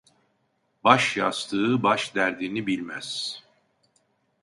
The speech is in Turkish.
Baş yastığı baş derdini bilmez.